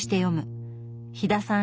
飛田さん